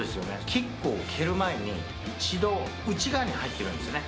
キックを蹴る前に、一度、内側に入ってるんですよね。